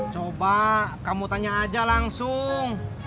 coba kamu tanya aja langsung